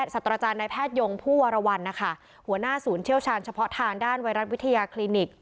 สัตว์อาจารย์ในแพทยงผู้วรวรรณนะคะหัวหน้าศูนย์เชี่ยวชาญเฉพาะทางด้านไวรัสวิทยาคลินิก